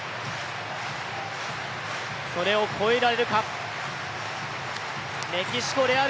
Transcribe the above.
それを越えられるか。